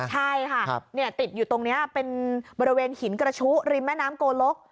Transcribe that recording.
ใช่ค่ะติดอยู่ตรงนี้เป็นบริเวณหินกระชุริมแม่น้ำโกลก